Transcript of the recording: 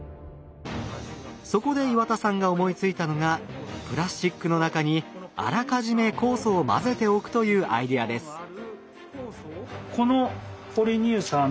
そこで岩田さんが思いついたのがプラスチックの中にあらかじめ酵素を混ぜておくというアイデアです。